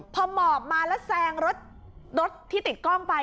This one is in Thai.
พอหมอบมาแล้วแซงรถที่ติดกล้องไป